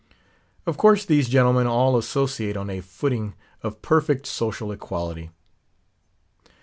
Of course these gentlemen all associate on a footing of perfect social equality.